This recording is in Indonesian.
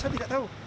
saya tidak tahu